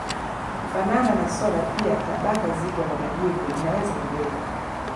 Kufanana na soda pia tabaka zito la majivu linaweza kugeuka